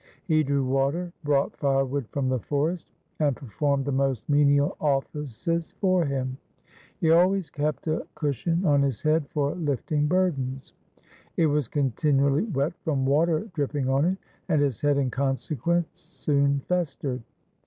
He drew water, brought firewood from the forest, and performed the most menial offices for him. He always kept a cushion on his head for lifting burdens. It was continually wet from water dripping on it, and his head in consequence soon festered.